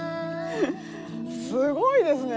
すごいですね。